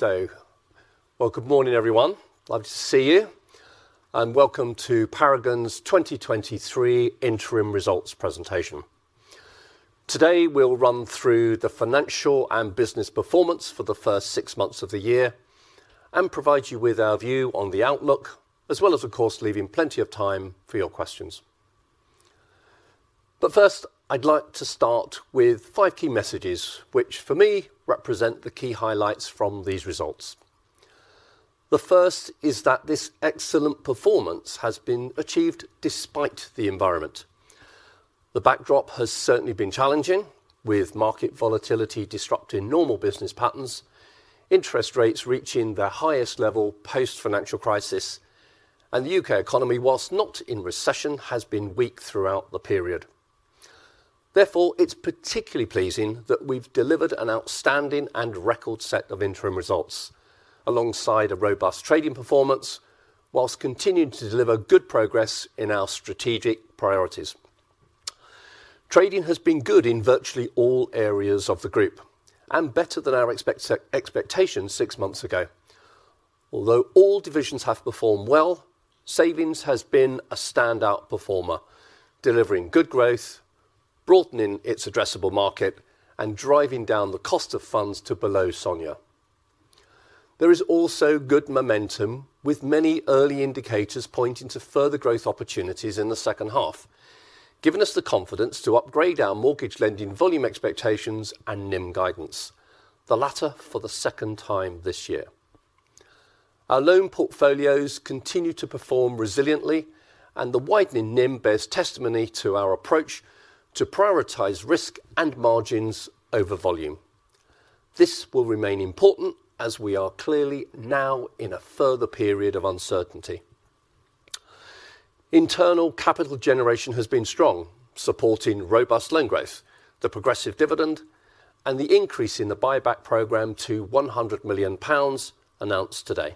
Good morning, everyone. Lovely to see you, and welcome to Paragon's 2023 interim results presentation. Today, we'll run through the financial and business performance for the first six months of the year and provide you with our view on the outlook, as well as, of course, leaving plenty of time for your questions. First, I'd like to start with five key messages, which, for me, represent the key highlights from these results. The first is that this excellent performance has been achieved despite the environment. The backdrop has certainly been challenging, with market volatility disrupting normal business patterns, interest rates reaching their highest level post-financial crisis, and the U.K. economy, while not in recession, has been weak throughout the period. It's particularly pleasing that we've delivered an outstanding and record set of interim results, alongside a robust trading performance, while continuing to deliver good progress in our strategic priorities. Trading has been good in virtually all areas of the group and better than our expectations six months ago. All divisions have performed well, savings has been a standout performer, delivering good growth, broadening its addressable market, and driving down the cost of funds to below SONIA. There is also good momentum, with many early indicators pointing to further growth opportunities in the H2, giving us the confidence to upgrade our mortgage lending volume expectations and NIM guidance, the latter for the second time this year. Our loan portfolios continue to perform resiliently; prioritising the widening NIM bears testimony to our approach to digitalisation, risk and margins over volume. This will remain important as we are clearly now in a further period of uncertainty. Internal capital generation has been strong, supporting robust loan growth, the progressive dividend, and the increase in the buyback program to 100 million pounds announced today.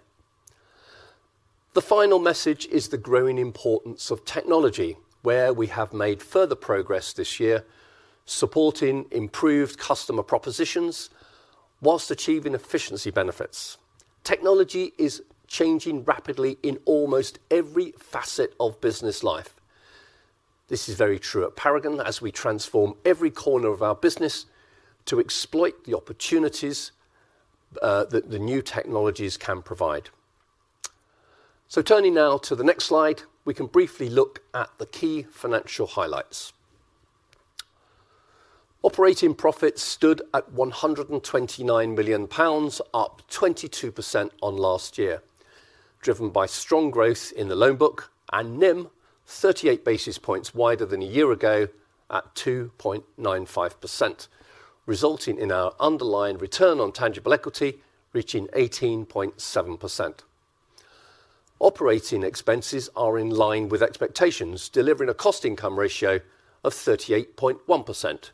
The final message is the growing importance of technology, where we have made further progress this year, supporting improved customer propositions whilst achieving efficiency benefits. Technology is changing rapidly in almost every facet of business life. This is very true at Paragon, as we transform every corner of our business to exploit the opportunities that the new technologies can provide. Turning now to the next slide, we can briefly look at the key financial highlights. Operating profits stood at 129 million pounds, up 22% on last year, driven by strong growth in the loan book and NIM 38 basis points wider than a year ago at 2.95%, resulting in our underlying return on tangible equity reaching 18.7%. Operating expenses are in line with expectations, delivering a cost income ratio of 38.1%.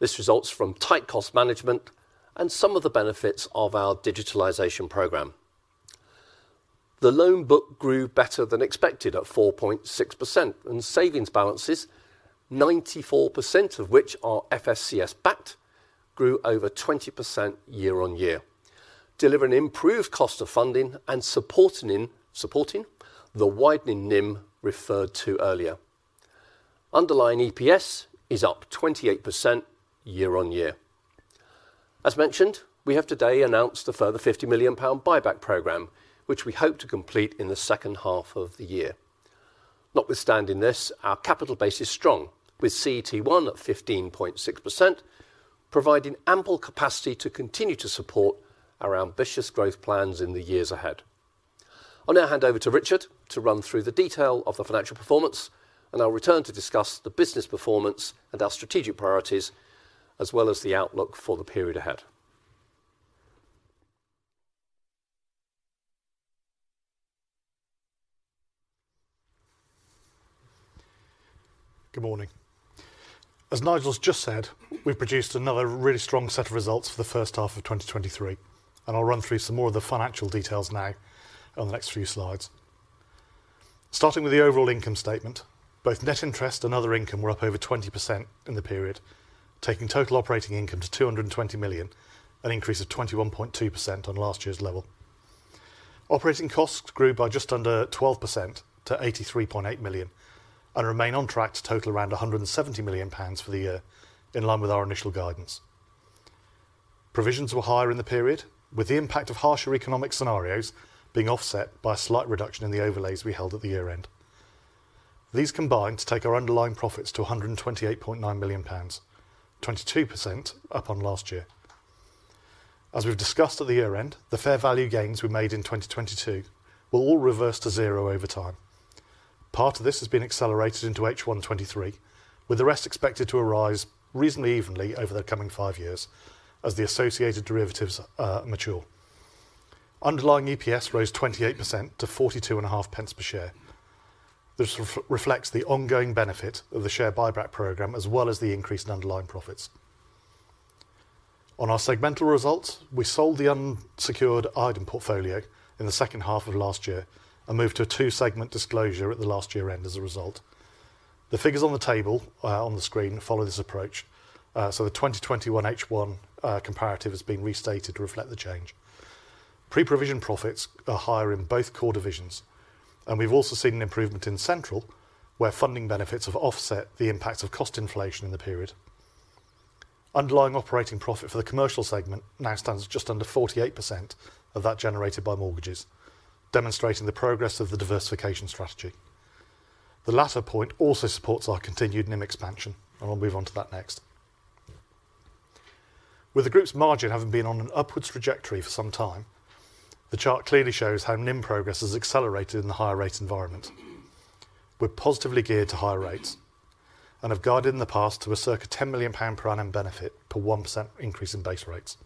This results from tight cost management and some of the benefits of our digitalization program. The loan book grew better than expected at 4.6%, and savings balances, 94% of which are FSCS-backed, grew over 20% year-on-year, delivering improved cost of funding and supporting the widening NIM referred to earlier. Underlying EPS is up 28% year-on-year. As mentioned, we have today announced a further 50 million pound buyback program, which we hope to complete in the H2 of the year. Notwithstanding this, our capital base is strong, with CET1 at 15.6%, providing ample capacity to continue to support our ambitious growth plans in the years ahead. I'll now hand over to Richard to run through the detail of the financial performance. I'll return to discuss the business performance and our strategic priorities, as well as the outlook for the period ahead. Good morning. As Nigel has just said, we've produced another really strong set of results for the H1 of 2023, and I'll run through some more of the financial details now on the next few slides. Starting with the overall income statement, both net interest and other income were up over 20% in the period, taking total operating income to 220 million, an increase of 21.2% on last year's level. Operating costs grew by just under 12% to 83.8 million and remain on track to total around 170 million pounds for the year, in line with our initial guidance. Provisions were higher in the period, with the impact of harsher economic scenarios being offset by a slight reduction in the overlays we held at the year-end. These combined to take our underlying profits to 128.9 million pounds, 22% up on last year. As we've discussed at the year-end, the fair value gains we made in 2022 will all reverse to zero over time. Part of this has been accelerated into H1 2023, with the rest expected to arise reasonably evenly over the coming five years as the associated derivatives mature. Underlying EPS rose 28% to 42.5 pence per share. This reflects the ongoing benefit of the share buyback program, as well as the increase in underlying profits. On our segmental results, we sold the unsecured item portfolio in the H2 of last year and moved to a 2-segment disclosure at the last year-end as a result. The figures on the table, on the screen, follow this approach. The 2021 H1 comparative has been restated to reflect the change. Pre-provision profits are higher in both core divisions, and we've also seen an improvement in Central, where funding benefits have offset the impacts of cost inflation in the period. Underlying operating profit for the commercial segment now stands just under 48% of that generated by mortgages, demonstrating the progress of the diversification strategy. The latter point also supports our continued NIM expansion, and I'll move on to that next. With the group's margin having been on an upwards trajectory for some time, the chart clearly shows how NIM progress has accelerated in the higher rate environment. We're positively geared to higher rates and have guided in the past to a circa 10 million pound per annum benefit per 1% increase in base rates.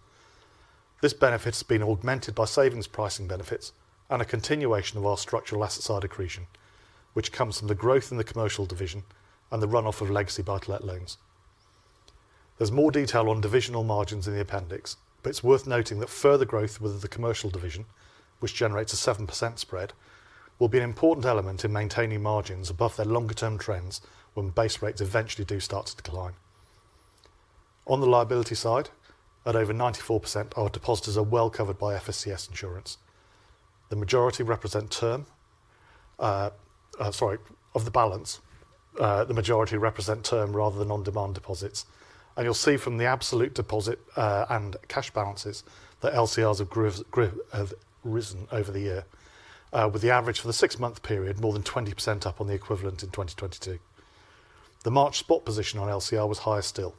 This benefit has been augmented by savings, pricing benefits and a continuation of our structural asset side accretion, which comes from the growth in the commercial division and the run-off of legacy buy-to-let loans. There's more detail on divisional margins in the appendix, but it's worth noting that further growth within the commercial division, which generates a 7% spread, will be an important element in maintaining margins above their longer-term trends when base rates eventually do start to decline. On the liability side, at over 94%, our depositors are well covered by FSCS insurance. Sorry, of the balance, the majority represent term rather than on-demand deposits. You'll see from the absolute deposit and cash balances that LCRs have risen over the year, with the average for the six-month period more than 20% up on the equivalent in 2022. The March spot position on LCR was higher still,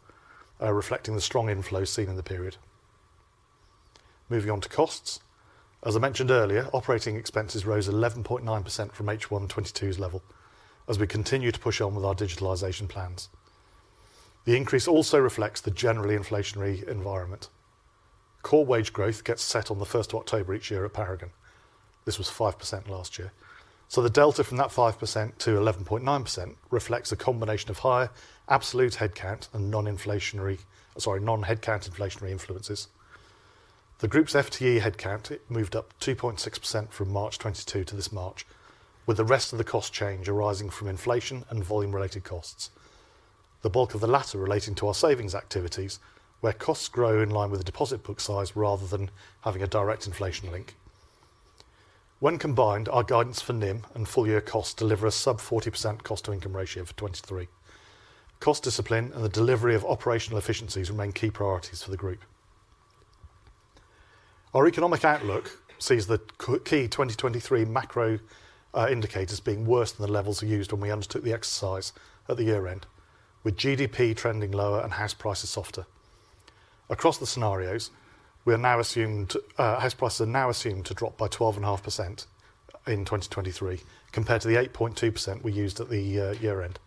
reflecting the strong inflows seen in the period. Moving on to costs. As I mentioned earlier, operating expenses rose 11.9% from H1 2022's level as we continue to push on with our digitalisation plans. The increase also reflects the generally inflationary environment. Core wage growth gets set on the 1st of October each year at Paragon. This was 5% last year. The delta from that 5% to 11.9% reflects a combination of higher absolute headcount and non-inflationary, sorry, non-headcount inflationary influences. The group's FTE headcount, it moved up 2.6% from March 2022 to this March, with the rest of the cost change arising from inflation and volume-related costs. The bulk of the latter relating to our savings activities, where costs grow in line with the deposit book size rather than having a direct inflation link. When combined, our guidance for NIM and full-year costs deliver a sub-40% cost-to-income ratio for 2023. Cost discipline and the delivery of operational efficiencies remain key priorities for the group. Our economic outlook sees the key 2023 macro indicators being worse than the levels we used when we undertook the exercise at the year-end, with GDP trending lower and house prices softer. Across the scenarios, we are now assumed, house prices are now assumed to drop by 12.5% in 2023, compared to the 8.2% we used at the year-end.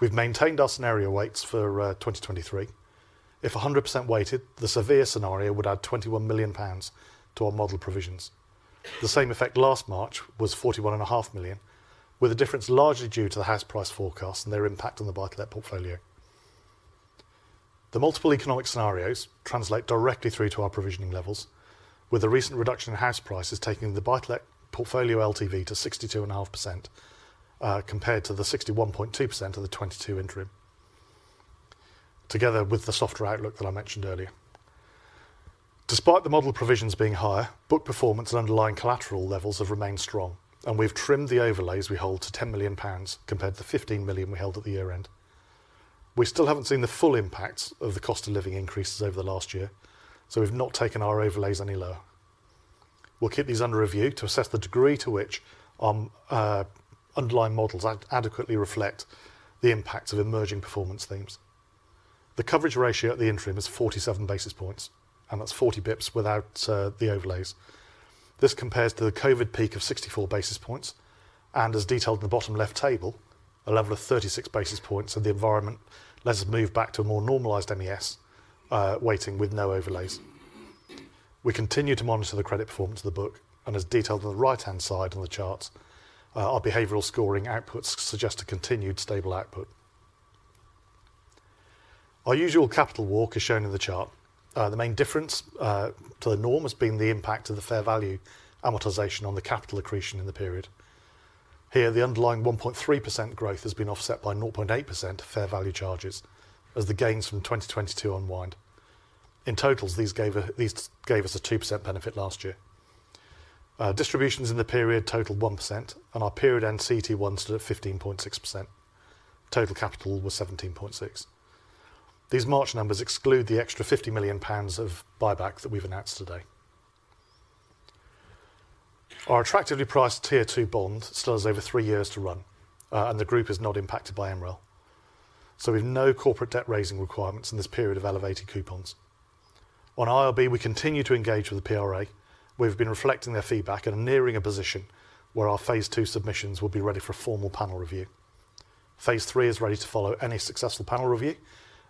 We've maintained our scenario weights for 2023. If 100% weighted, the severe scenario would add 21 million pounds to our model provisions. The same effect last March was 41.5 million, with the difference largely due to the house price forecast and their impact on the buy-to-let portfolio. The multiple economic scenarios translate directly through to our provisioning levels, with the recent reduction in house prices taking the buy-to-let portfolio LTV to 62.5%, compared to the 61.2% of the 2022 interim, together with the softer outlook that I mentioned earlier. Despite the model provisions being higher, book performance and underlying collateral levels have remained strong; we've trimmed the overlays we hold to 10 million pounds, compared to the 15 million we held at the year-end. We still haven't seen the full impact of the cost-of-living increases over the last year; we've not taken our overlays any lower. We'll keep these under review to assess the degree to which underlying models adequately reflect the impacts of emerging performance themes. The coverage ratio at the interim is 47 basis points, and that's 40 bips without the overlays. This compares to the COVID peak of 64 basis points and, as detailed in the bottom left table, a level of 36 basis points on the environment. Let's move back to a more normal MES weighting with no overlays. We continue to monitor the credit performance of the book. As detailed on the right-hand side on the charts, our behavioral scoring outputs suggest a continued stable output. Our usual capital walk is shown in the chart. The main difference to the norm has been the impact of the fair value amortisation on the capital accretion in the period. Here, the underlying 1.3% growth has been offset by 0.8% fair value charges as the gains from 2022 unwind. In total, these gave us a 2% benefit last year. Distributions in the period totaled 1%. Our period-end CET1 stood at 15.6%. Total capital was 17.6%. These March numbers exclude the extra 50 million pounds of buyback that we've announced today. Our attractively priced Tier 2 bond still has over 3 years to run, and the group is not impacted by MREL, so we have no corporate debt-raising requirements in this period of elevated coupons. On IRB, we continue to engage with the PRA. We've been reflecting their feedback and are nearing a position where our Phase 2 submissions will be ready for a formal panel review. Phase 3 is ready to follow any successful panel review,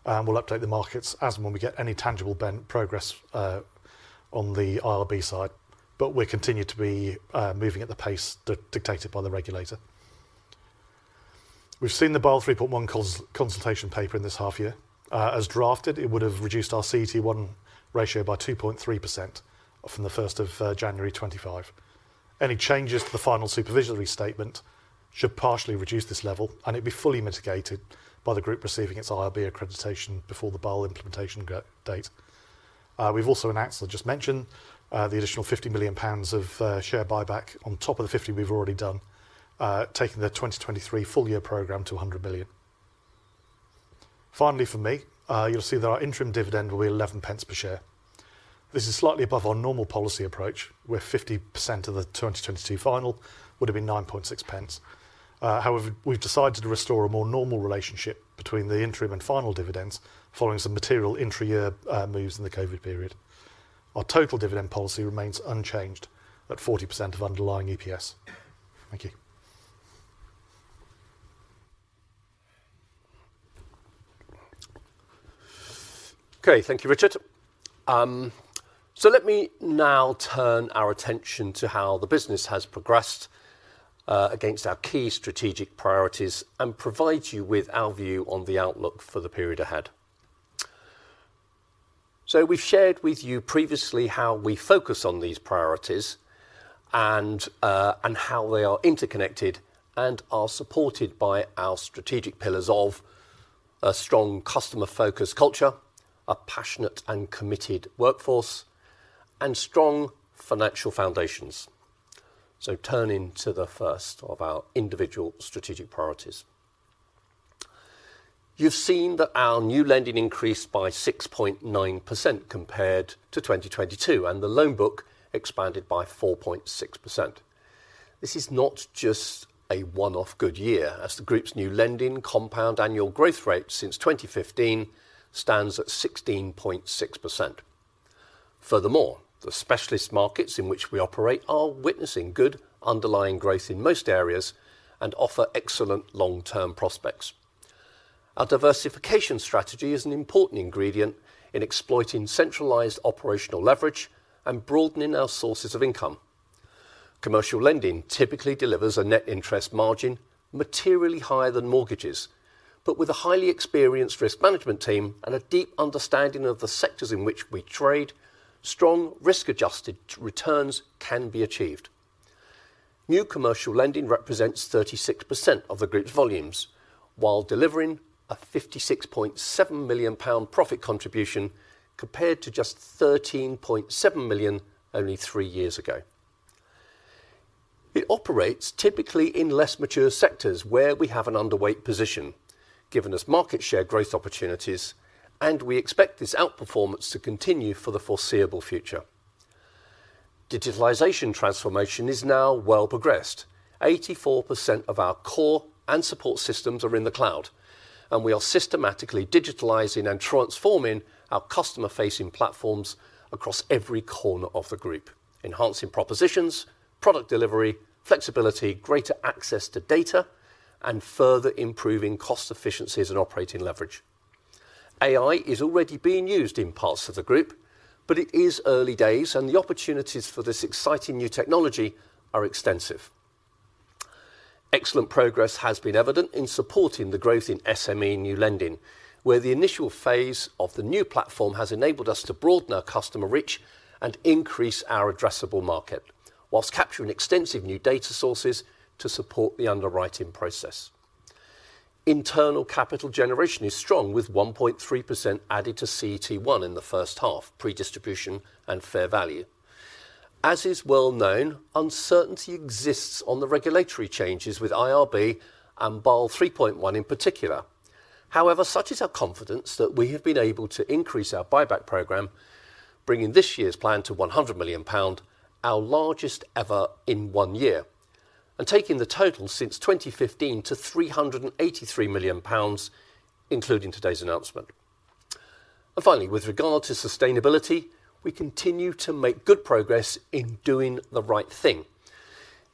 and we'll update the markets as and when we get any tangible progress on the IRB side, but we continue to be moving at the pace dictated by the regulator. We've seen the Basel 3.1 consultation paper in this half year. As drafted, it would have reduced our CET1 ratio by 2.3% from the 1st of January 2025.... Any changes to the final supervisory statement should partially reduce this level, and it'd be fully mitigated by the group receiving its IRB accreditation before the Basel implementation date. We've also announced, I just mentioned, the additional 50 million pounds of share buyback on top of the 50 we've already done, taking the 2023 full year program to 100 million. Finally, for me, you'll see that our interim dividend will be 11 pence per share. This is slightly above our normal policy approach, where 50% of the 2022 final would have been 9.6 pence. However, we've decided to restore a more normal relationship between the interim and final dividends, following some material intra-year moves in the COVID period. Our total dividend policy remains unchanged at 40% of underlying EPS. Thank you. Okay. Thank you, Richard. Let me now turn our attention to how the business has progressed against our key strategic priorities and provide you with our view on the outlook for the period ahead. We've shared with you previously how we focus on these priorities and how they are interconnected, and are supported by our strategic pillars of a strong customer-focused culture, a passionate and committed workforce, and strong financial foundations. Turning to the first of our individual strategic priorities. You've seen that our new lending increased by 6.9% compared to 2022, and the loan book expanded by 4.6%. This is not just a one-off good year, as the group's new lending compound annual growth rate since 2015 stands at 16.6%. Furthermore, the specialist markets in which we operate are witnessing good underlying growth in most areas and offer excellent long-term prospects. Our diversification strategy is an important ingredient in exploiting centralised operational leverage and broadening our sources of income. Commercial lending typically delivers a net interest margin materially higher than mortgages, but with a highly experienced risk management team and a deep understanding of the sectors in which we trade, strong risk-adjusted returns can be achieved. New commercial lending represents 36% of the group's volumes, while delivering a 56.7 million pound profit contribution, compared to just 13.7 million only three years ago. It operates typically in less mature sectors, where we have an underweight position, giving us market share growth opportunities, and we expect this outperformance to continue for the foreseeable future. Digitalisation transformation is now well progressed. 84% of our core and support systems are in the cloud, and we are systematically digitalising and transforming our customer-facing platforms across every corner of the group, enhancing propositions, product delivery, flexibility, greater access to data, and further improving cost efficiencies and operating leverage. AI is already being used in parts of the group, but it is early days, and the opportunities for this exciting new technology are extensive. Excellent progress has been evident in supporting the growth in SME new lending, where the initial phase of the new platform has enabled us to broaden our customer reach and increase our addressable market, while capturing extensive new data sources to support the underwriting process. Internal capital generation is strong, with 1.3% added to CET1 in the H1, pre-distribution and fair value. Uncertainty exists on the regulatory changes with IRB and Basel 3.1 in particular. Such is our confidence that we have been able to increase our buyback program, bringing this year's plan to 100 million pound, our largest ever in one year, taking the total since 2015 to 383 million pounds, including today's announcement. Finally, with regard to sustainability, we continue to make good progress in doing the right thing.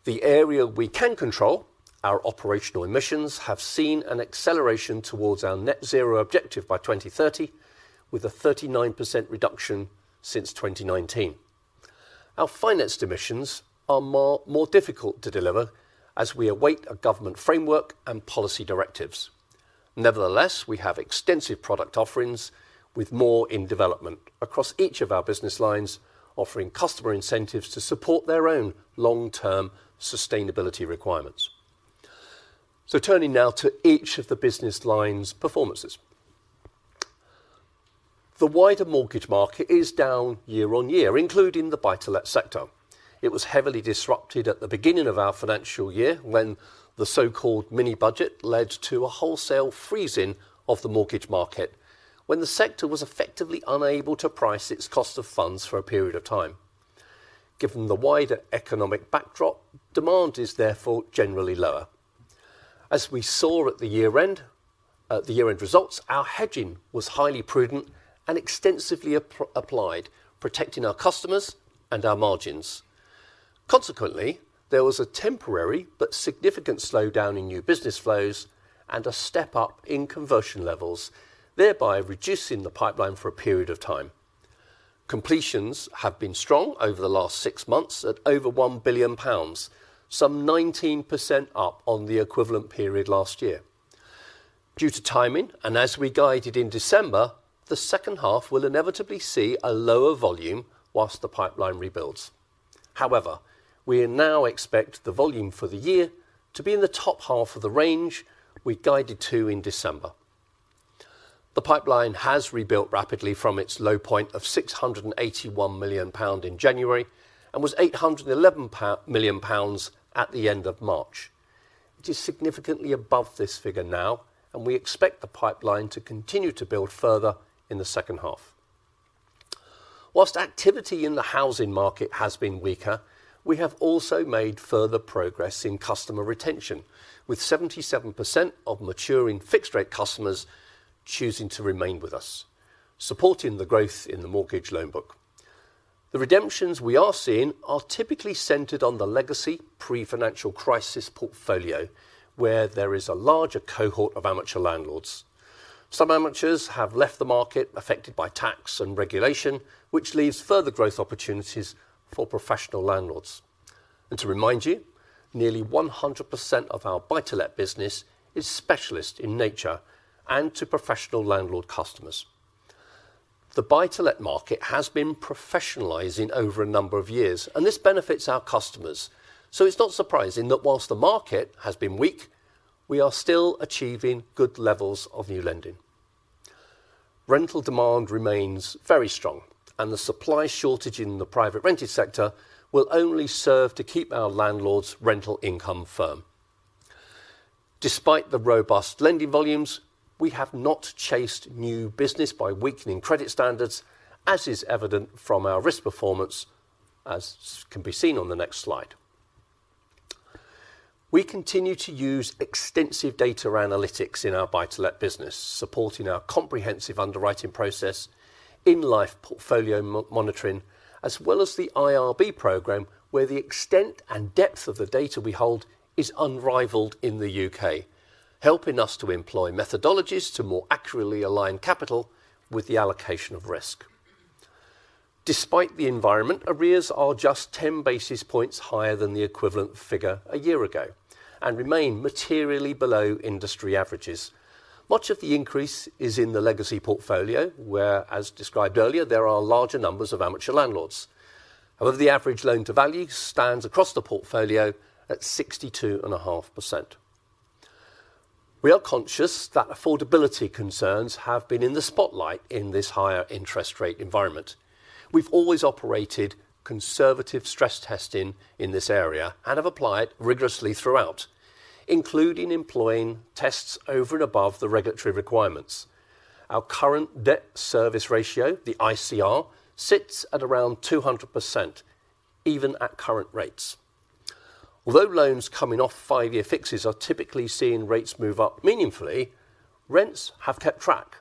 The area we can control, our operational emissions, have seen an acceleration towards our net zero objective by 2030, with a 39% reduction since 2019. Our financed emissions are more difficult to deliver as we await a government framework and policy directives. Nevertheless, we have extensive product offerings with more in development across each of our business lines, offering customer incentives to support their own long-term sustainability requirements. Turning now to each of the business lines' performances. The wider mortgage market is down year-over-year, including the buy-to-let sector. It was heavily disrupted at the beginning of our financial year when the so-called mini budget led to a wholesale freezing of the mortgage market, when the sector was effectively unable to price its cost of funds for a period of time. Given the wider economic backdrop, demand is therefore generally lower. As we saw at the year-end, the year-end results, our hedging was highly prudent and extensively applied, protecting our customers and our margins. Consequently, there was a temporary but significant slowdown in new business flows and a step up in conversion levels, thereby reducing the pipeline for a period of time. Completions have been strong over the last 6 months at over 1 billion pounds, some 19% up on the equivalent period last year. Due to timing, and as we guided in December, the H2 will inevitably see a lower volume whilst the pipeline rebuilds. We now expect the volume for the year to be in the top half of the range we guided to in December. The pipeline has rebuilt rapidly from its low point of 681 million pound in January and was 811 million pounds at the end of March. It is significantly above this figure now, and we expect the pipeline to continue to build further in the H2. Whilst activity in the housing market has been weaker, we have also made further progress in customer retention, with 77% of maturing fixed-rate customers choosing to remain with us, supporting the growth in the mortgage loan book. The redemptions we are seeing are typically centred on the legacy pre-financial crisis portfolio, where there is a larger cohort of amateur landlords. Some amateurs have left the market affected by tax and regulation, which leaves further growth opportunities for professional landlords. To remind you, nearly 100% of our buy-to-let business is specialist in nature and to professional landlord customers. The buy-to-let market has been professionalising over a number of years, and this benefits our customers. It's not surprising that whilst the market has been weak, we are still achieving good levels of new lending. Rental demand remains very strong. The supply shortage in the private rented sector will only serve to keep our landlords' rental income firm. Despite the robust lending volumes, we have not chased new business by weakening credit standards, as is evident from our risk performance, as can be seen on the next slide. We continue to use extensive data analytics in our buy-to-let business, supporting our comprehensive underwriting process in life portfolio monitoring, as well as the IRB program, where the extent and depth of the data we hold is unrivalled in the UK, helping us to employ methodologies to more accurately align capital with the allocation of risk. Despite the environment, arrears are just 10 basis points higher than the equivalent figure a year ago and remain materially below industry averages. Much of the increase is in the legacy portfolio, where, as described earlier, there are larger numbers of amateur landlords. The average loan-to-value stands across the portfolio at 62.5%. We are conscious that affordability concerns have been in the spotlight in this higher interest rate environment. We've always operated conservative stress testing in this area and have applied rigorously throughout, including employing tests over and above the regulatory requirements. Our current debt service ratio, the ICR, sits at around 200%, even at current rates. Loans coming off 5-year fixes are typically seeing rates move up meaningfully, rents have kept track.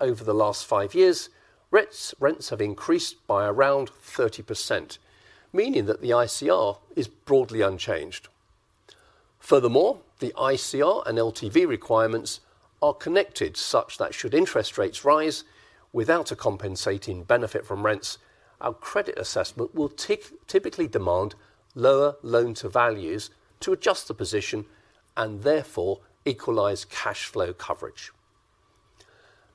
Over the last 5 years, rents have increased by around 30%, meaning that the ICR is broadly unchanged. The ICR and LTV requirements are connected such that should interest rates rise without a compensating benefit from rents, our credit assessment will typically demand lower loan-to-values to adjust the position and therefore equalised cash flow coverage.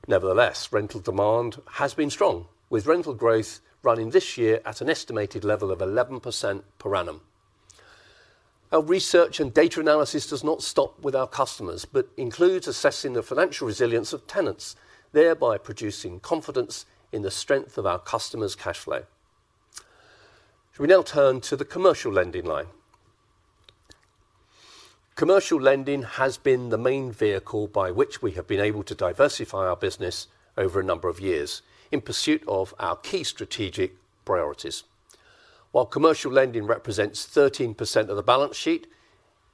Rental demand has been strong, with rental growth running this year at an estimated level of 11% per annum. Our research and data analysis does not stop with our customers, but includes assessing the financial resilience of tenants, thereby producing confidence in the strength of our customers' cash flow. Should we now turn to the commercial lending line? Commercial lending has been the main vehicle by which we have been able to diversify our business over a number of years in pursuit of our key strategic priorities. While commercial lending represents 13% of the balance sheet,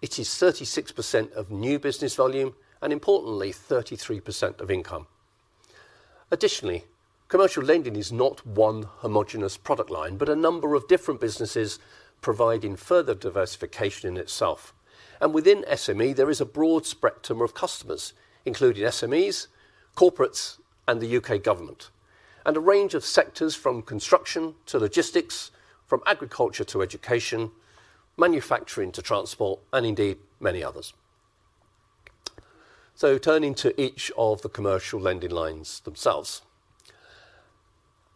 it is 36% of new business volume and importantly, 33% of income. Additionally, commercial lending is not one homogeneous product line, but a number of different businesses providing further diversification in itself. Within SME, there is a broad spectrum of customers, including SMEs, corporates, and the U.K. government, and a range of sectors from construction to logistics, from agriculture to education, manufacturing to transport, and indeed, many others. Turning to each of the commercial lending lines themselves.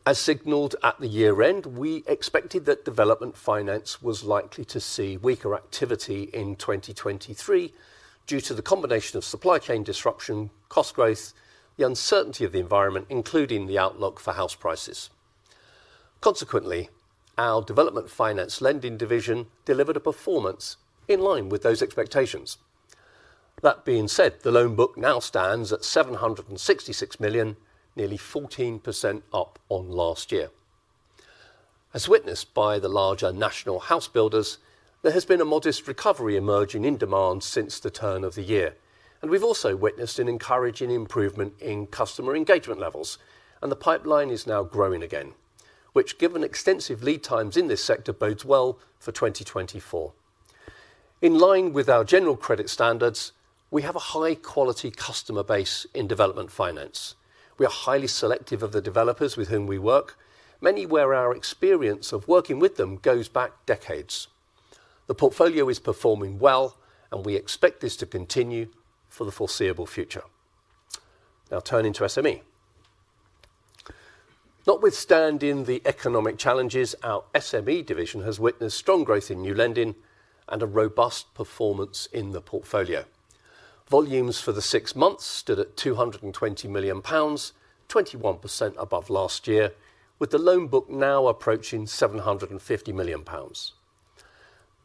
As signalled at the year-end, we expected that development finance was likely to see weaker activity in 2023 due to the combination of supply chain disruption, cost growth, the uncertainty of the environment, including the outlook for house prices. Consequently, our development finance lending division delivered a performance in line with those expectations. That being said, the loan book now stands at 766 million, nearly 14% up on last year. As witnessed by the larger national house builders, there has been a modest recovery emerging in demand since the turn of the year. We've also witnessed an encouraging improvement in customer engagement levels. The pipeline is now growing again, which, given extensive lead times in this sector, bodes well for 2024. In line with our general credit standards, we have a high-quality customer base in development finance. We are highly selective of the developers with whom we work, many where our experience of working with them goes back decades. The portfolio is performing well, and we expect this to continue for the foreseeable future. Now turning to SME. Notwithstanding the economic challenges, our SME division has witnessed strong growth in new lending and a robust performance in the portfolio. Volumes for the six months stood at 220 million pounds, 21% above last year, with the loan book now approaching 750 million pounds.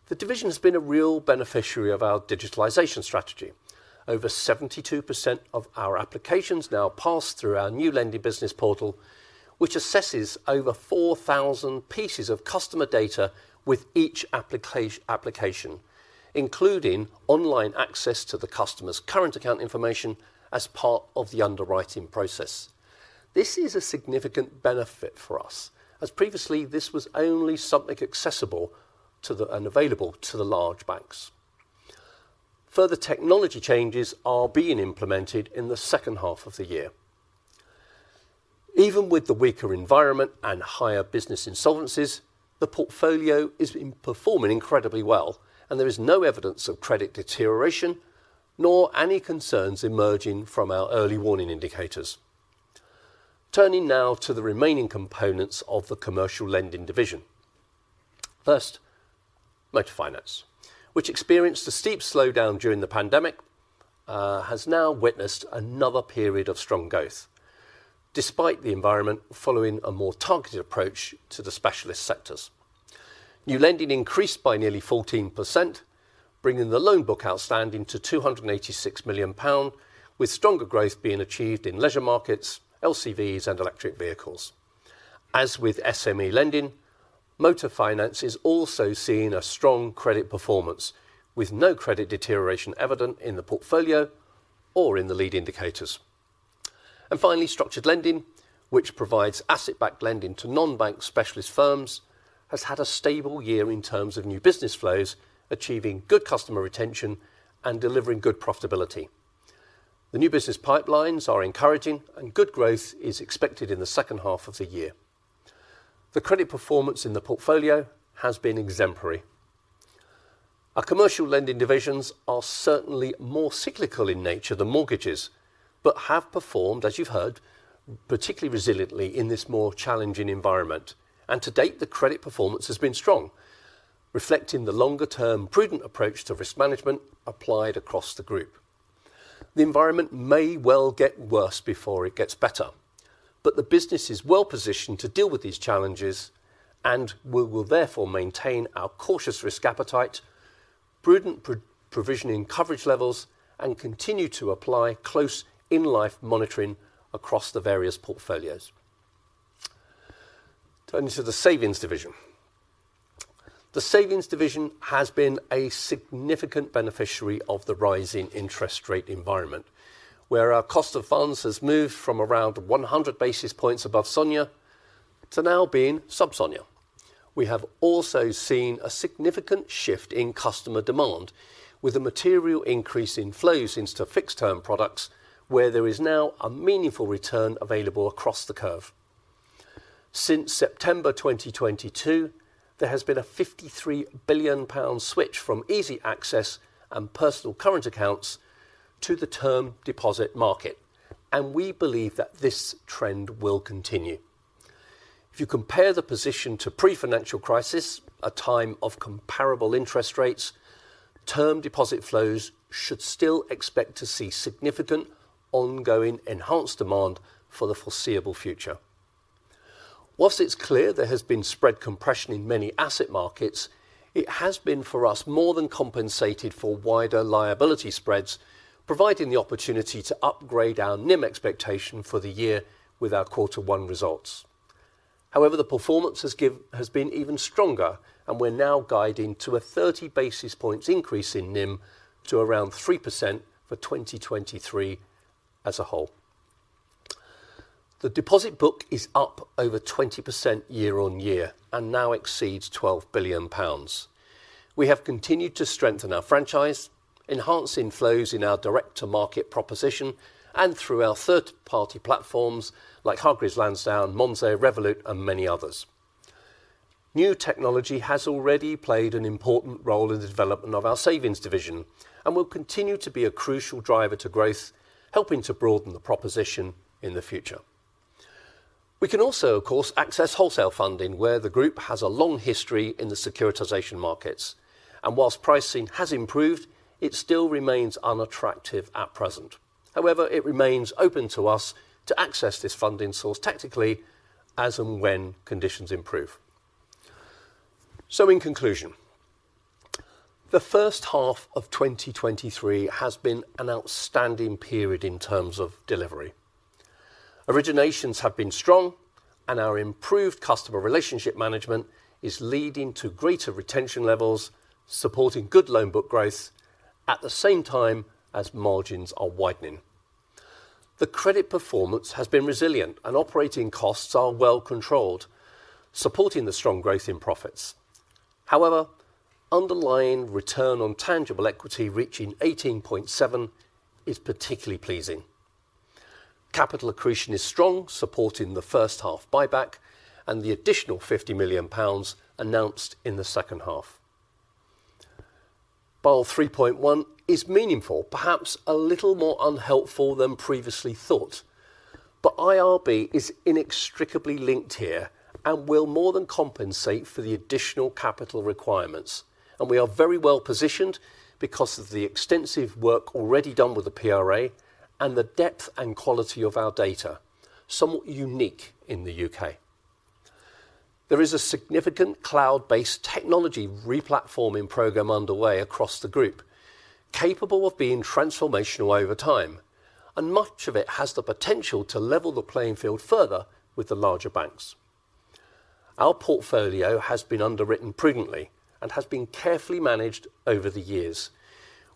The division has been a real beneficiary of our digitalisation strategy. Over 72% of our applications now pass through our new lending business portal, which assesses over 4,000 pieces of customer data with each application, including online access to the customer's current account information as part of the underwriting process. This is a significant benefit for us, as previously, this was only something accessible to the, and available to the large banks. Further technology changes are being implemented in the H2 of the year. Even with the weaker environment and higher business insolvencies, the portfolio is been performing incredibly well, and there is no evidence of credit deterioration, nor any concerns emerging from our early warning indicators. Turning now to the remaining components of the commercial lending division. First, motor finance, which experienced a steep slowdown during the pandemic, has now witnessed another period of strong growth despite the environment, following a more targeted approach to the specialist sectors. New lending increased by nearly 14%, bringing the loan book outstanding to 286 million pound, with stronger growth being achieved in leisure markets, LCVs, and electric vehicles. As with SME lending, motor finance is also seeing a strong credit performance, with no credit deterioration evident in the portfolio or in the lead indicators. Finally, structured lending, which provides asset-backed lending to non-bank specialist firms, has had a stable year in terms of new business flows, achieving good customer retention and delivering good profitability. The new business pipelines are encouraging, and good growth is expected in the H2 of the year. The credit performance in the portfolio has been exemplary. Our commercial lending divisions are certainly more cyclical in nature than mortgages, but have performed, as you've heard, particularly resiliently in this more challenging environment, and to date, the credit performance has been strong, reflecting the longer-term, prudent approach to risk management applied across the group. The environment may well get worse before it gets better, but the business is well-positioned to deal with these challenges, and we will therefore maintain our cautious risk appetite, prudent provisioning coverage levels, and continue to apply close in-life monitoring across the various portfolios. Turning to the savings division. The savings division has been a significant beneficiary of the rising interest rate environment, where our cost of funds has moved from around 100 basis points above SONIA to now being sub-SONIA. We have also seen a significant shift in customer demand, with a material increase in flows into fixed-term products, where there is now a meaningful return available across the curve. Since September 2022, there has been a 53 billion pound switch from easy access and personal current accounts to the term deposit market, and we believe that this trend will continue. If you compare the position to pre-financial crisis, a time of comparable interest rates, term deposit flows should still expect to see significant ongoing enhanced demand for the foreseeable future. Whilst it's clear there has been spread compression in many asset markets, it has been, for us, more than compensated for wider liability spreads, providing the opportunity to upgrade our NIM expectation for the year with our quarter one results. However, the performance has been even stronger, and we're now guiding to a 30 basis points increase in NIM to around 3% for 2023 as a whole. The deposit book is up over 20% year-on-year and now exceeds 12 billion pounds. We have continued to strengthen our franchise, enhancing flows in our direct-to-market proposition and through our third-party platforms like Hargreaves Lansdown, Monzo, Revolut, and many others. New technology has already played an important role in the development of our savings division and will continue to be a crucial driver to growth, helping to broaden the proposition in the future. We can also, of course, access wholesale funding, where the group has a long history in the securitisation markets, and whilst pricing has improved, it still remains unattractive at present. However, it remains open to us to access this funding source tactically as and when conditions improve. In conclusion, the H1 of 2023 has been an outstanding period in terms of delivery. Originations have been strong, and our improved customer relationship management is leading to greater retention levels, supporting good loan book growth at the same time as margins are widening. The credit performance has been resilient, and operating costs are well-controlled, supporting the strong growth in profits. However, underlying return on tangible equity reaching 18.7 is particularly pleasing. Capital accretion is strong, supporting the H1 buyback and the additional 50 million pounds announced in the H2. Basel 3.1 is meaningful, perhaps a little more unhelpful than previously thought. IRB is inextricably linked here and will more than compensate for the additional capital requirements. We are very well positioned because of the extensive work already done with the PRA and the depth and quality of our data, somewhat unique in the UK. There is a significant cloud-based technology re-platforming program underway across the group, capable of being transformational over time. Much of it has the potential to level the playing field further with the larger banks. Our portfolio has been underwritten prudently and has been carefully managed over the years.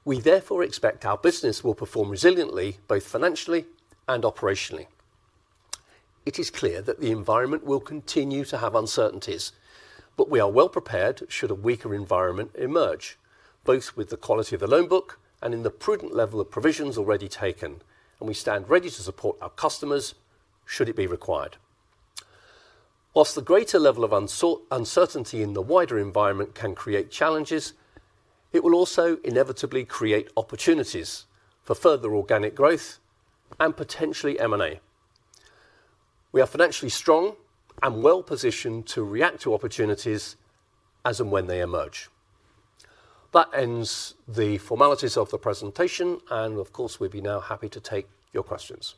We therefore expect our business will perform resiliently, both financially and operationally. It is clear that the environment will continue to have uncertainties, but we are well prepared should a weaker environment emerge, both with the quality of the loan book and in the prudent level of provisions already taken, and we stand ready to support our customers should it be required. Whilst the greater level of uncertainty in the wider environment can create challenges, it will also inevitably create opportunities for further organic growth and potentially M&A. We are financially strong and well-positioned to react to opportunities as and when they emerge. That ends the formalities of the presentation, and of course, we'd be now happy to take your questions.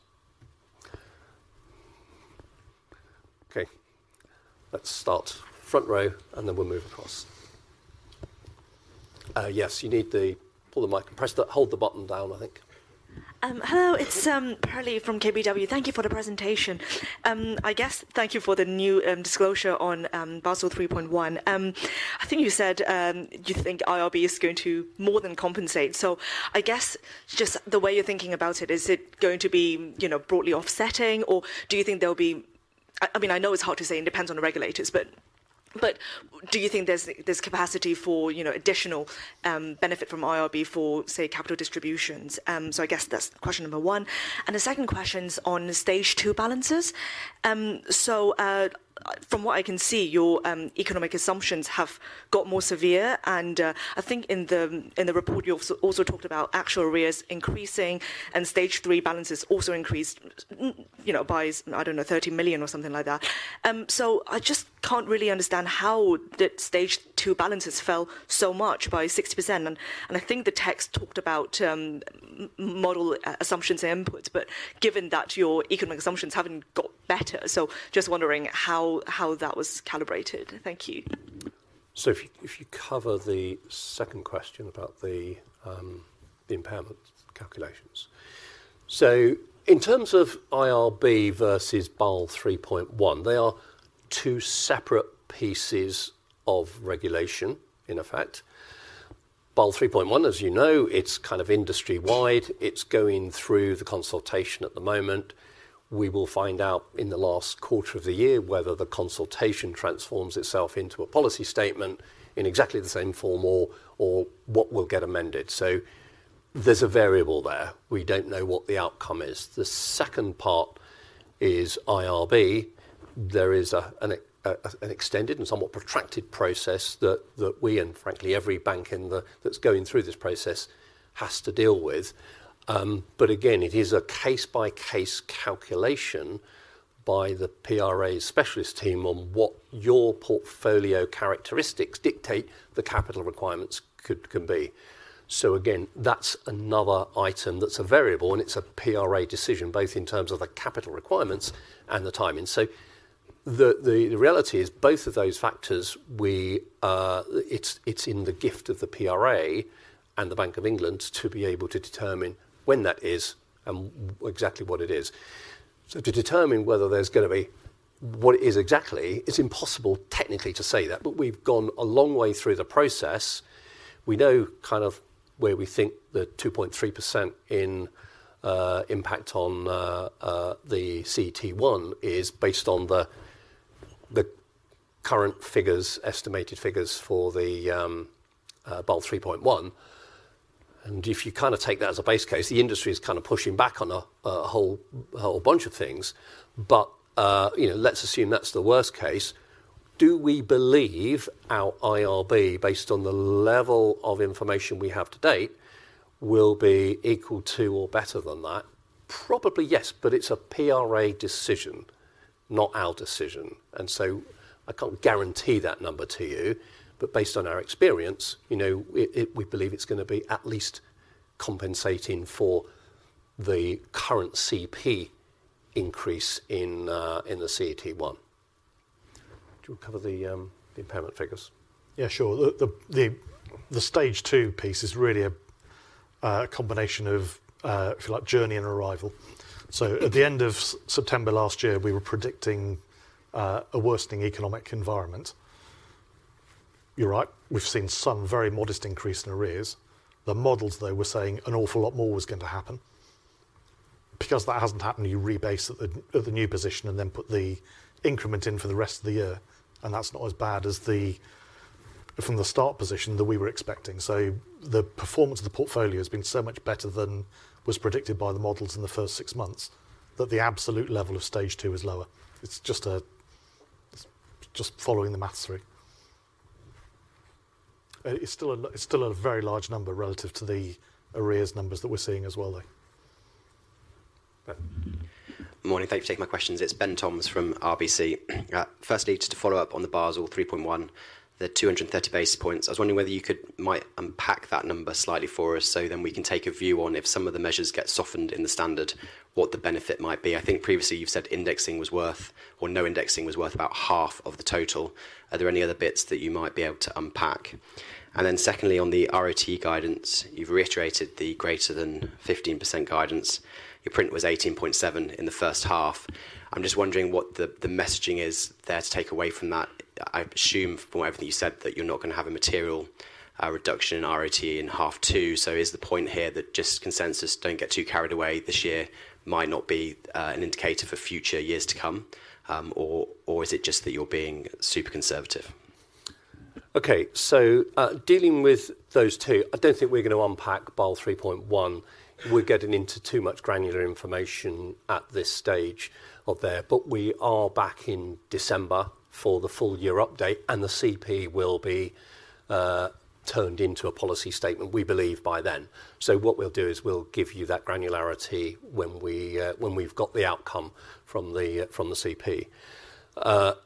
Okay, let's start front row, and then we'll move across. Yes, you need the... Pull the mic and press hold the button down, I think. Hello, it's Harley from KBW. Thank you for the presentation. I guess thank you for the new disclosure on Basel 3.1. I think you said you think IRB is going to more than compensate. I guess just the way you're thinking about it, is it going to be, you know, broadly offsetting, or do you think there'll be... I mean, I know it's hard to say and depends on the regulators, but do you think there's capacity for, you know, additional benefit from IRB for, say, capital distributions? I guess that's question number one. The second question's on Stage 2 balances. From what I can see, your economic assumptions have got more severe, and I think in the report, you also talked about actual arrears increasing and Stage 3 balances also increased, you know, by, I don't know, 30 million or something like that. I just can't really understand how the Stage 2 balances fell so much by 60%. I think the text talked about model assumptions and inputs, but given that your economic assumptions haven't got better, just wondering how that was calibrated. Thank you. If you cover the second question about the impairment calculations. In terms of IRB versus Basel 3.1, they are two separate pieces of regulation, in effect. Basel 3.1, as you know, it's kind of industry-wide. It's going through the consultation at the moment. We will find out in the last quarter of the year whether the consultation transforms itself into a policy statement in exactly the same form, or what will get amended. There's a variable there. We don't know what the outcome is. The second part is IRB. There is an extended and somewhat protracted process that we, and frankly, every bank that's going through this process has to deal with. Again, it is a case-by-case calculation by the PRA specialist team on what your portfolio characteristics dictate the capital requirements can be. Again, that's another item that's a variable, and it's a PRA decision, both in terms of the capital requirements and the timing. The reality is, both of those factors, we, it's in the gift of the PRA and the Bank of England to be able to determine when that is and exactly what it is. To determine whether there's gonna be, what it is exactly, it's impossible technically to say that, but we've gone a long way through the process. We know kind of where we think the 2.3% impact on the CET1 is based on the current figures, estimated figures for the Basel 3.1. If you kind of take that as a base case, the industry is kind of pushing back on a whole bunch of things. You know, let's assume that's the worst case. Do we believe our IRB, based on the level of information we have to date, will be equal to or better than that? Probably, yes, but it's a PRA decision, not our decision, and so I can't guarantee that number to you. Based on our experience, you know, it, we believe it's gonna be at least compensating for the current CP increase in the CET1. Do you cover the impairment figures? Yeah, sure. The Stage 2 piece is really a combination of, if you like, journey and arrival. At the end of September last year, we were predicting a worsening economic environment. You're right, we've seen some very modest increase in arrears. The models, though, were saying an awful lot more was going to happen. That hasn't happened, you rebase at the new position and then put the increment in for the rest of the year, and that's not as bad as.... from the start position than we were expecting. The performance of the portfolio has been so much better than was predicted by the models in the first six month, that the absolute level of Stage 2 is lower. It's just following the math through. It's still a very large number relative to the arrears numbers that we're seeing as well, though. Good morning. Thank you for taking my questions. It's Ben Toms from RBC. Firstly, just to follow up on the Basel 3.1, the 230 basis points. I was wondering whether you might unpack that number slightly for us, we can take a view on if some of the measures get softened in the standard, what the benefit might be. I think previously you've said indexing was worth or no indexing was worth about half of the total. Are there any other bits that you might be able to unpack? Secondly, on the ROTE guidance, you've reiterated the greater than 15% guidance. Your print was 18.7 in the H1. I'm just wondering what the messaging is there to take away from that. I assume from whatever you said that you're not going to have a material reduction in ROTE in half two. Is the point here that just consensus, don't get too carried away, this year might not be an indicator for future years to come, or is it just that you're being super conservative? Okay. Dealing with those two, I don't think we're going to unpack Basel 3.1. We're getting into too much granular information at this stage of there. We are back in December for the full year update, and the CP will be turned into a policy statement, we believe by then. What we'll do is we'll give you that granularity when we when we've got the outcome from the from the CP. What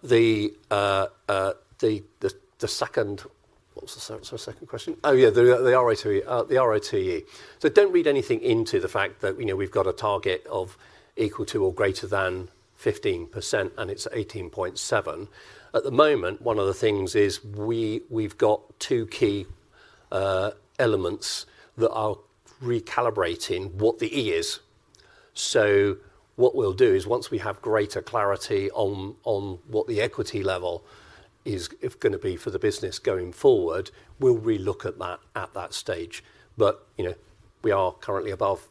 was the second question? The ROTE. Don't read anything into the fact that, you know, we've got a target of equal to or greater than 15%, and it's 18.7%. At the moment, one of the things is we've got two key elements that are recalibrating what the E is. What we'll do is, once we have greater clarity on what the equity level is going to be for the business going forward, we'll relook at that stage. You know, we are currently above,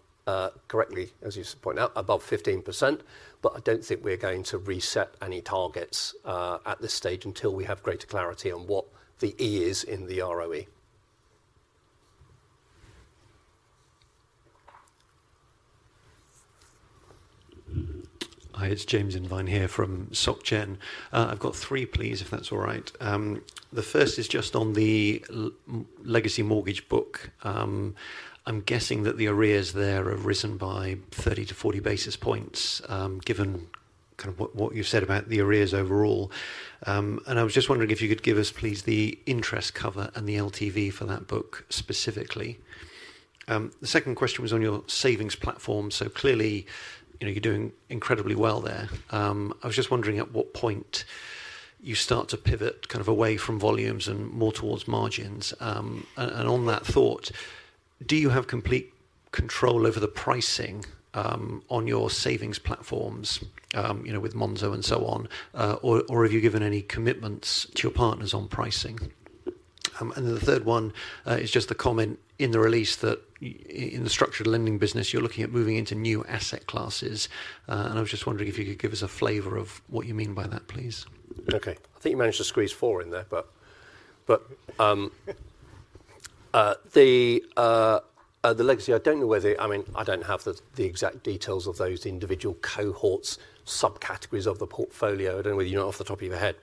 correctly, as you point out, above 15%, but I don't think we're going to reset any targets at this stage until we have greater clarity on what the E is in the ROE. Hi, it's James Invine here from Soc Gen. I've got three, please, if that's all right. The first is just on the legacy mortgage book. I'm guessing that the arrears there have risen by 30 to 40 basis points, given kind of what you've said about the arrears overall. I was just wondering if you could give us, please, the interest cover and the LTV for that book specifically. The second question was on your savings platform. Clearly, you know, you're doing incredibly well there. I was just wondering at what point you start to pivot, kind of away from volumes and more towards margins. And on that thought, do you have complete control over the pricing on your savings platforms, you know, with Monzo and so on? Have you given any commitments to your partners on pricing? The third one is just a comment in the release that in the structured lending business, you're looking at moving into new asset classes. I was just wondering if you could give us a flavour of what you mean by that, please. Okay. I think you managed to squeeze 4 in there, but the legacy, I don't know whether... I mean, I don't have the exact details of those individual cohorts, subcategories of the portfolio. I don't know whether you know it off the top of your head.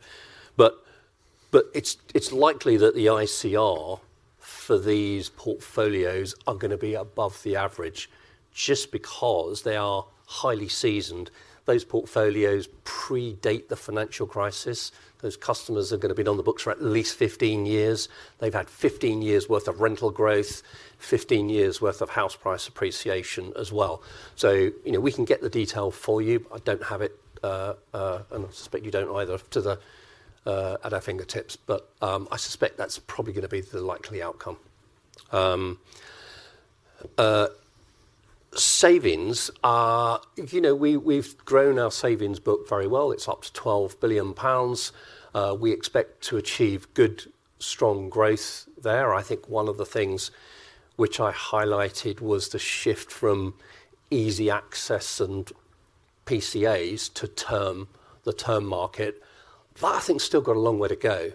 It's likely that the ICR for these portfolios are gonna be above the average just because they are highly seasoned. Those portfolios predate the financial crisis. Those customers are going to be on the books for at least 15 years. They've had 15 years worth of rental growth, 15 years worth of house price appreciation as well. You know, we can get the detail for you. I don't have it, and I suspect you don't either, to the at our fingertips, but I suspect that's probably gonna be the likely outcome. Savings, you know, we've grown our savings book very well. It's up to 12 billion pounds. We expect to achieve good, strong growth there. I think one of the things which I highlighted was the shift from easy access and PCAs to term, the term market. That I think still got a long way to go.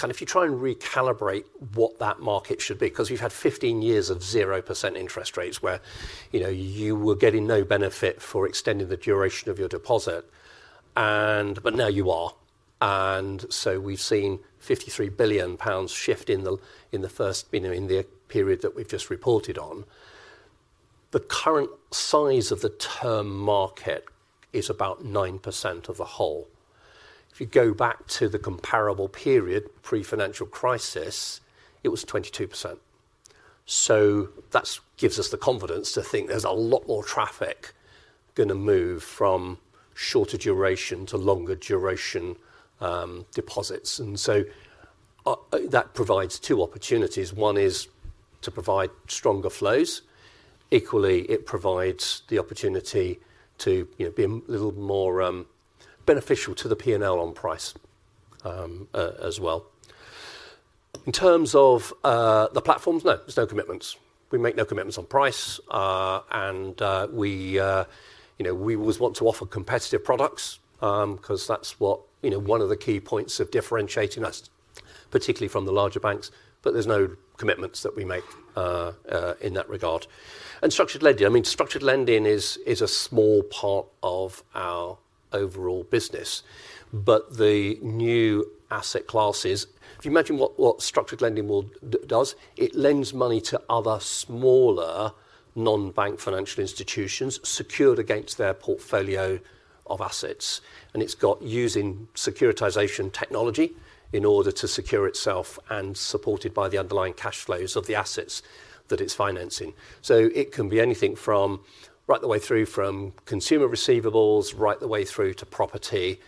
Kind of if you try and recalibrate what that market should be, 'cause you've had 15 years of 0% interest rates where, you know, you were getting no benefit for extending the duration of your deposit, and but now you are. we've seen 53 billion pounds shift in the, in the first, you know, in the period that we've just reported on. The current size of the term market is about 9% of the whole. If you go back to the comparable period, pre-financial crisis, it was 22%. that's gives us the confidence to think there's a lot more traffic going to move from shorter duration to longer duration, deposits. that provides two opportunities. One is to provide stronger flows. Equally, it provides the opportunity to, you know, be a little more beneficial to the P&L on price as well. In terms of the platforms, no, there's no commitments. We make no commitments on price. We, you know, we always want to offer competitive products, 'cause that's what, you know, one of the key points of differentiating us, particularly from the larger banks. There's no commitments that we make in that regard. Structured lending, I mean, structured lending is a small part of our overall business, but the new asset classes. If you imagine what structured lending does, it lends money to other smaller non-bank financial institutions secured against their portfolio of assets, and it's got using securitization technology in order to secure itself and supported by the underlying cash flows of the assets that it's financing. It can be anything from right the way through from consumer receivables, right the way through to property,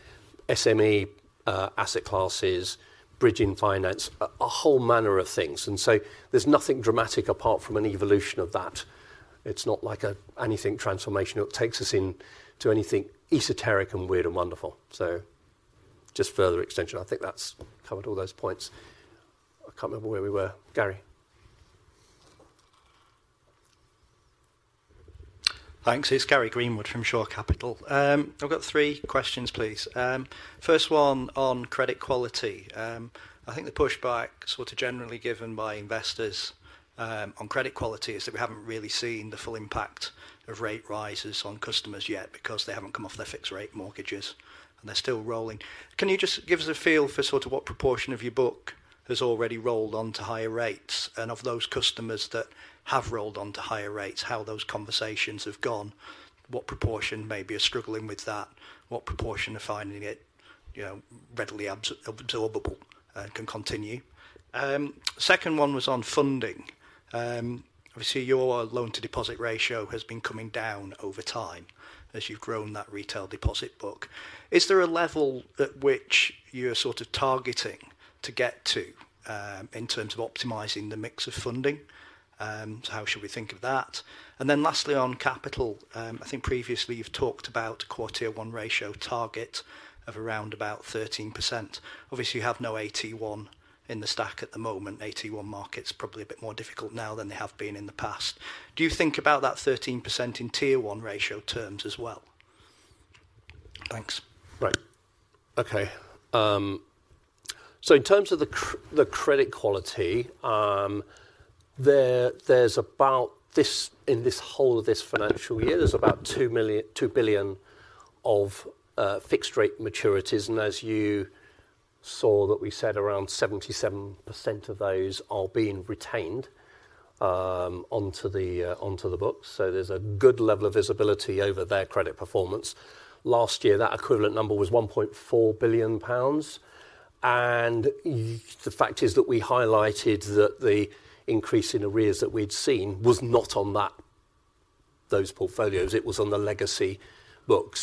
SME, asset classes, bridging finance, a whole manner of things. There's nothing dramatic apart from an evolution of that. It's not like anything transformational that takes us into anything esoteric and weird and wonderful. Just further extension, I think that's covered all those points. I can't remember where we were. Gary? Thanks. It's Gary Greenwood from Shore Capital. I've got three questions, please. First one on credit quality. I think the pushback sort of generally given by investors on credit quality is that we haven't really seen the full impact of rate rises on customers yet because they haven't come off their fixed-rate mortgages, and they're still rolling. Can you just give us a feel for sort of what proportion of your book has already rolled on to higher rates? Of those customers that have rolled on to higher rates, how those conversations have gone, what proportion maybe are struggling with that? What proportion are finding it, you know, readily absorbable, can continue? Second one was on funding. Obviously, your loan-to-deposit ratio has been coming down over time as you've grown that retail deposit book. Is there a level at which you're sort of targeting to get to, in terms of optimising the mix of funding? How should we think of that? Lastly, on capital, I think previously you've talked about quarter one ratio target of around about 13%. Obviously, you have no AT1 in the stack at the moment. AT1 market's probably a bit more difficult now than they have been in the past. Do you think about that 13% in Tier 1 ratio terms as well? Thanks. Right. Okay. In terms of the credit quality, there's about this... In this whole of this financial year, there's about 2 billion of fixed-rate maturities, as you saw that we said around 77% of those are being retained onto the books. There's a good level of visibility over their credit performance. Last year, that equivalent number was 1.4 billion pounds. The fact is that we highlighted that the increase in arrears that we'd seen was not on that, those portfolios; it was on the legacy book.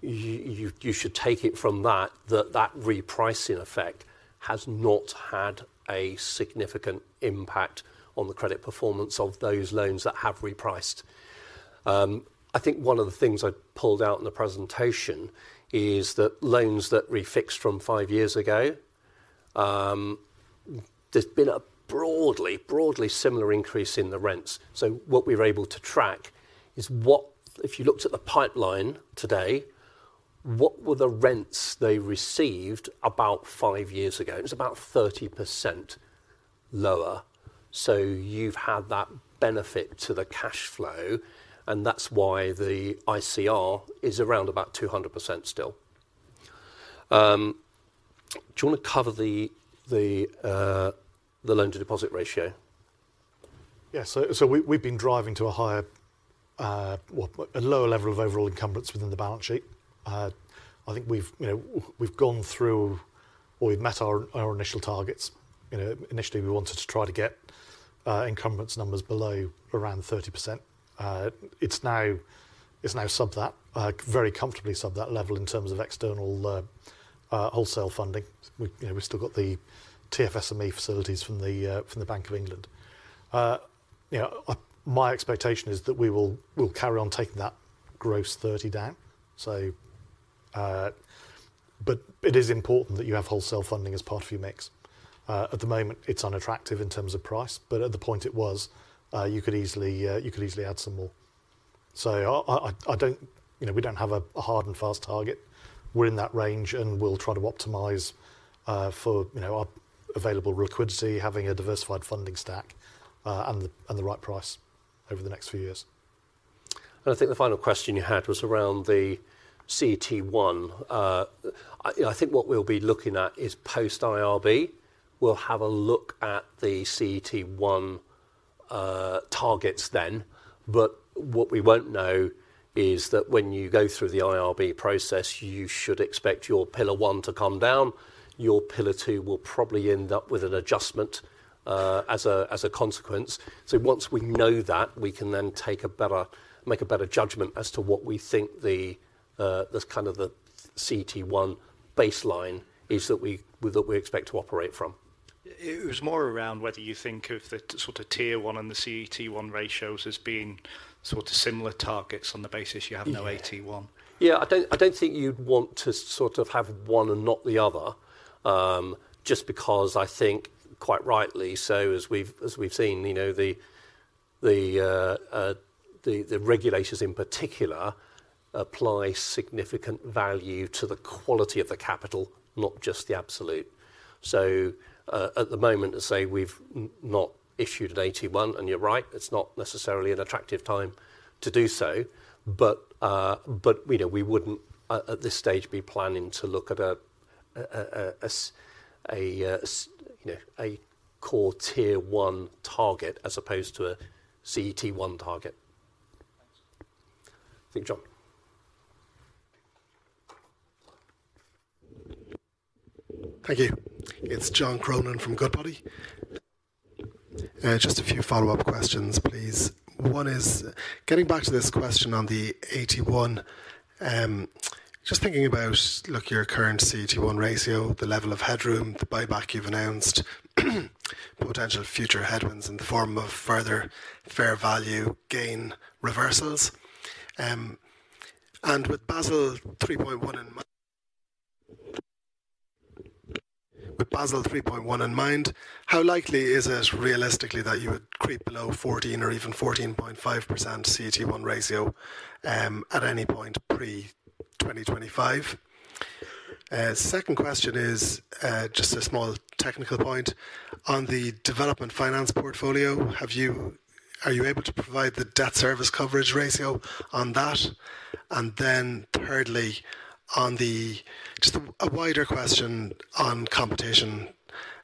You should take it from that that repricing effect has not had a significant impact on the credit performance of those loans that have repriced. I think one of the things I pulled out in the presentation is that loans that refixed from five years ago, there's been a broadly similar increase in the rents. What we were able to track is, if you looked at the pipeline today, what were the rents they received about five years ago? It was about 30% lower. You've had that benefit to the cash flow, and that's why the ICR is around about 200% still. Do you want to cover the loan-to-deposit ratio? Yes. We've been driving to a higher, well, a lower level of overall encumbrance within the balance sheet. I think we've, you know, we've gone through, or we've met our initial targets. You know, initially, we wanted to try to get encumbrance numbers below around 30%. It's now sub that, very comfortably sub that level in terms of external wholesale funding. We, you know, we've still got the TFSME facilities from the Bank of England. You know, my expectation is that we'll carry on taking that gross 30 down. It is important that you have wholesale funding as part of your mix. At the moment, it's unattractive in terms of price, but at the point it was, you could easily add some more. I don't, you know, we don't have a hard and fast target. We're in that range, and we'll try to optimise, for you know, our available liquidity, having a diversified funding stack, and the right price over the next few years. I think the final question you had was around the CET1. You know, I think what we'll be looking at is post-IR. We'll have a look at the CET1 targets then, but what we won't know is that when you go through the IRB process, you should expect your Pillar 1 to come down, your Pillar 2 will probably end up with an adjustment as a consequence. Once we know that, we can then make a better judgment as to what we think the this kind of the CET1 baseline is that we expect to operate from. It was more around whether you think of the sort of Tier 1 and the CET1 ratios as being sort of similar targets on the basis you have no AT1. Yeah, I don't, I don't think you'd want to sort of have one and not the other, just because I think, quite rightly so, as we've, as we've seen, you know, the regulators in particular apply significant value to the quality of the capital, not just the absolute. At the moment, let's say we've not issued an AT1, and you're right, it's not necessarily an attractive time to do so. You know, we wouldn't at this stage be planning to look at a core Tier One target as opposed to a CET1 target. Thanks. I think John. Thank you. It's John Cronin from Goodbody. Just a few follow-up questions, please. One is, getting back to this question on the AT1, just thinking about, look, your current CET1 ratio, the level of headroom, the buyback you've announced, potential future headwinds in the form of further fair value gain reversals. With Basel 3.1 in mind, how likely is it realistically that you would creep below 14 or even 14.5% CET1 ratio at any point pre-2025? Second question is, just a small technical point. On the development finance portfolio, are you able to provide the debt service coverage ratio on that? Thirdly, on the just a wider question on competition.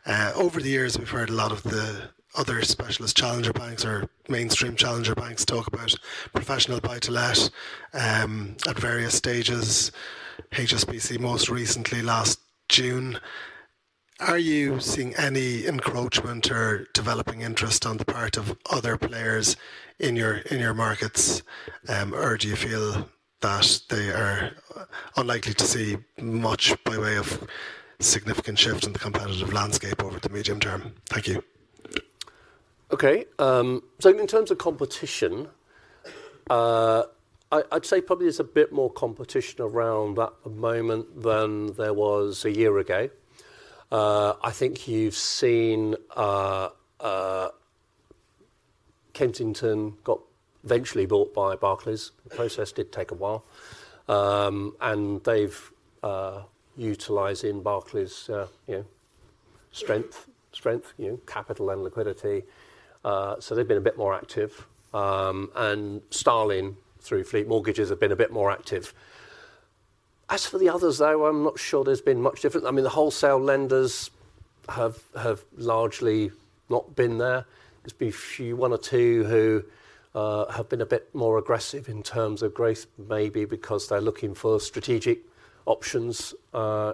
Over the years, we've heard a lot of the other specialist challenger banks or mainstream challenger banks talk about professional buy-to-let, at various stages, HSBC, most recently last June. Are you seeing any encroachment or developing interest on the part of other players in your, in your markets, or do you feel that they are unlikely to see much by way of significant shift in the competitive landscape over the medium term? Thank you. Okay, in terms of competition, I'd say probably there's a bit more competition around that at the moment than there was a year ago. I think you've seen Kensington Mortgages got eventually bought by Barclays. The process did take a while. They've utilised in Barclays, you know, strength, you know, capital and liquidity. They've been a bit more active. Starling Bank, through Fleet Mortgages, have been a bit more active. As for the others, though, I'm not sure there's been much difference. I mean, the wholesale lenders have largely not been there. There's been a few, one or two who have been a bit more aggressive in terms of growth, maybe because they're looking for strategic options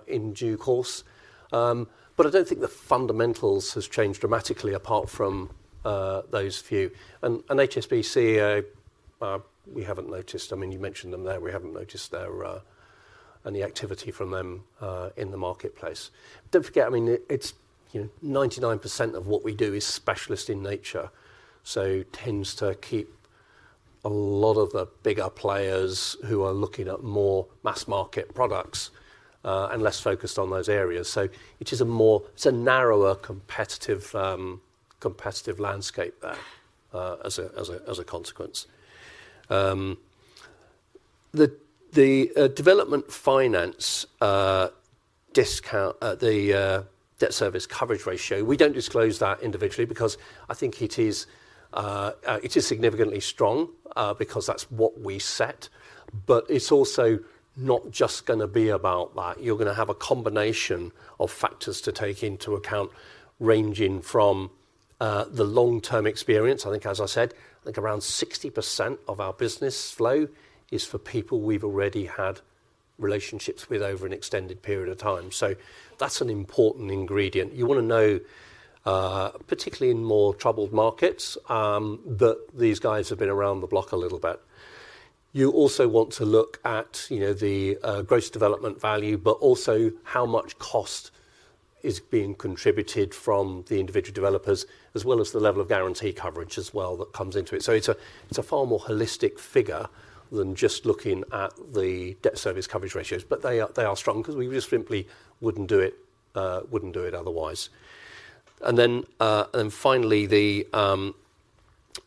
in due course. I don't think the fundamentals has changed dramatically, apart from those few. HSBC, we haven't noticed. I mean, you mentioned them there. We haven't noticed their any activity from them in the marketplace. Don't forget, I mean, it's, you know, 99% of what we do is specialist in nature, so tends to keep a lot of the bigger players who are looking at more mass market products and less focused on those areas. It's a narrower competitive landscape there as a consequence. The development finance discount, the debt service coverage ratio, we don't disclose that individually because I think it is significantly strong, because that's what we set, but it's also not just going to be about that. You're going to have a combination of factors to take into account, ranging from the long-term experience. I think, as I said, I think around 60% of our business flow is for people we've already had relationships with over an extended period of time, so that's an important ingredient. You want to know, particularly in more troubled markets, that these guys have been around the block a little bit. You also want to look at, you know, the gross development value, but also how much cost is being contributed from the individual developers, as well as the level of guarantee coverage as well that comes into it. It's a, it's a far more holistic figure than just looking at the debt service coverage ratios, but they are strong because we just simply wouldn't do it otherwise. Then, and then finally, what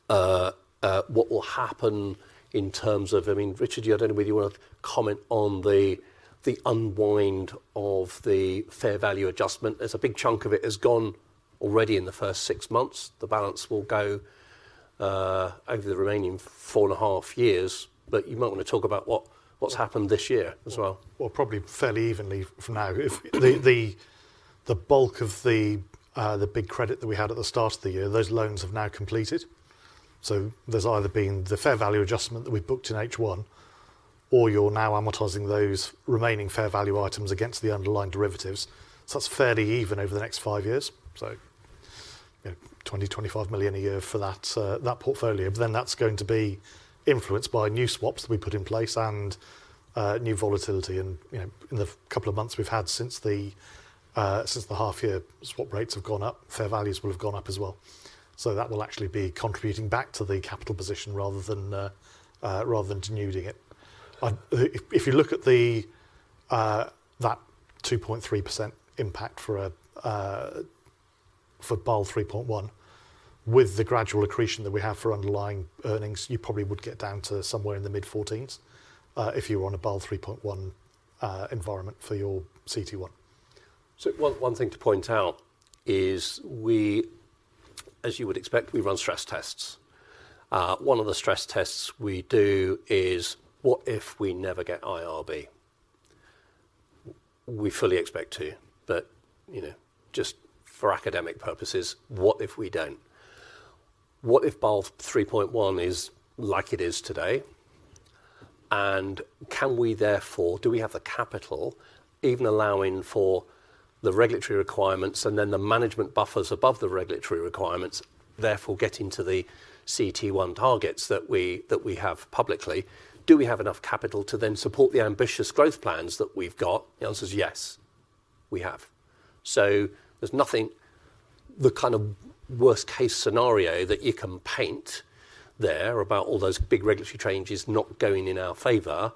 will happen in terms of... I mean, Richard, I don't know whether you want to comment on the unwind of the fair value adjustment? There's a big chunk of it has gone already in the first six months. The balance will go over the remaining four and a half years, but you might want to talk about what's happened this year as well. Probably fairly evenly from now. If the bulk of the big credit that we had at the start of the year, those loans have now completed. There's either been the fair value adjustment that we booked in H1, or you're now amortising those remaining fair value items against the underlying derivatives. That's fairly even over the next five years. You know, 20 million-25 million a year for that portfolio, that's going to be influenced by new swaps that we put in place and new volatility. You know, in the couple of months we've had since the half year, swap rates have gone up, fair values will have gone up as well. That will actually be contributing back to the capital position rather than rather than denuding it. If you look at the...... 2.3% impact for a Basel 3.1. With the gradual accretion that we have for underlying earnings, you probably would get down to somewhere in the mid-14s if you were on a Basel 3.1 environment for your CET1. One thing to point out is we, as you would expect, we run stress tests. One of the stress tests we do is, what if we never get IRB? We fully expect to, but, you know, just for academic purposes, what if we don't? What if Basel 3.1 is like it is today? Can we therefore do we have the capital, even allowing for the regulatory requirements and then the management buffers above the regulatory requirements, therefore getting to the CET1 targets that we have publicly, do we have enough capital to then support the ambitious growth plans that we've got? The answer is yes, we have. There's nothing. The kind of worst-case scenario that you can paint there about all those big regulatory changes not going in our favour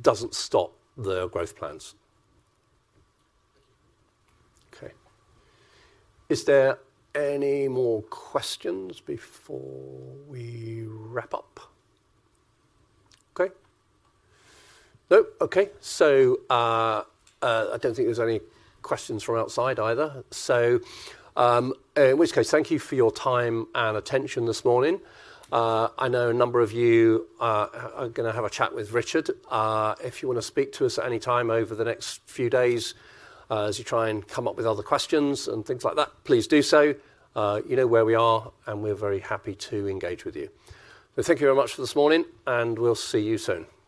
doesn't stop the growth plans. Okay. Is there any more questions before we wrap up? Okay. No? Okay. I don't think there's any questions from outside either. In which case, thank you for your time and attention this morning. I know a number of you are gonna have a chat with Richard. If you want to speak to us at any time over the next few days, as you try and come up with other questions and things like that, please do so. You know where we are, and we're very happy to engage with you. Thank you very much for this morning, and we'll see you soon. Thank you.